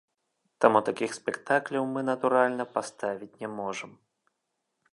Таму такіх спектакляў мы, натуральна, паставіць не можам.